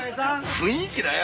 雰囲気だよ！